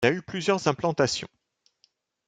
Il a eu plusieurs implantations.